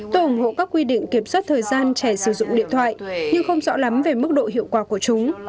tôi ủng hộ các quy định kiểm soát thời gian trẻ sử dụng điện thoại nhưng không rõ lắm về mức độ hiệu quả của chúng